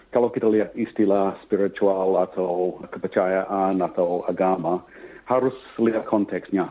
kalau kita lihat istilah spiritual atau kepercayaan atau agama harus lihat konteksnya